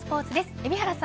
海老原さん